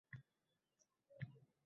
“Kasbiy madaniyat kodeksi” qabul qilinib